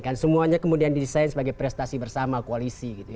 yang di desain sebagai prestasi bersama koalisi gitu ya